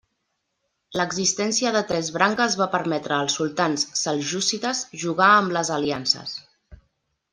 L'existència de tres branques va permetre als sultans seljúcides jugar amb les aliances.